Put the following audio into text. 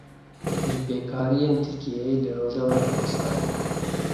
Binpêkariyên Tirkiyê li Rojavayê Kurdistanê.